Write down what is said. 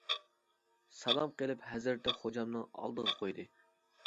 سالام قىلىپ، ھەزرىتى خوجامنىڭ ئالدىغا قويدى.